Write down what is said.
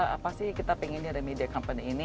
apa sih kita pengennya ada media company ini